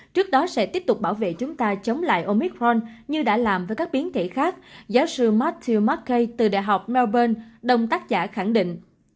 trước đó sẽ tiếp tục bảo vệ chúng ta chống lại omicron như đã làm với các biến thể khác giáo sư matthew markey từ đại học melbourne đồng tác giả khẳng định